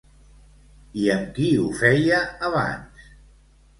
I amb qui ho feia abans?